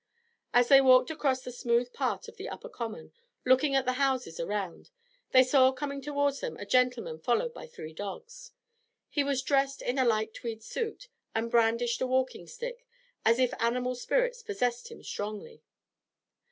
As they walked across the smooth part of the upper common, looking at the houses around, they saw coming towards them a gentleman followed by three dogs. He was dressed in a light tweed suit, and brandished a walking stick, as if animal spirits possessed him strongly.